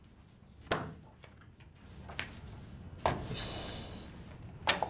よし！